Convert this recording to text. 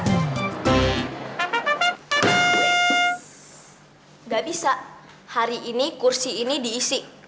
tidak bisa hari ini kursi ini diisi